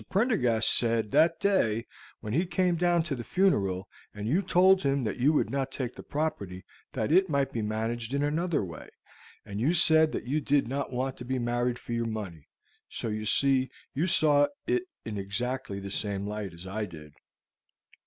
Prendergast said that day when he came down to the funeral, and you told him that you would not take the property, that it might be managed in another way, and you said that you did not want to be married for your money; so you see you saw it in exactly the same light as I did.